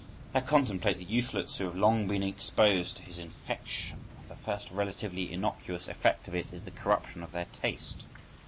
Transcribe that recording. I contemplate the youthlets who have long been exposed to his infection. The first relatively innocuous effect of it is the corruption of their taste.